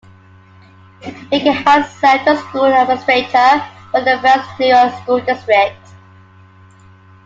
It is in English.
Vega has served a school administrator for the West New York School District.